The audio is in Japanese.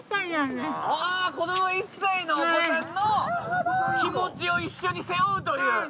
あ子ども１歳のお子さんの気持ちを一緒に背負うという。